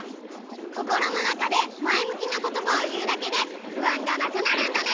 こころのなかでまえむきなことばをいうだけでふあんがなくなるんだね！